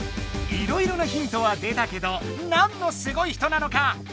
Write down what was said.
いろいろなヒントは出たけど何のすごい人なのか？